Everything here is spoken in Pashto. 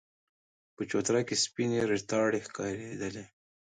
په چوتره کې سپينې ريتاړې ښکارېدلې.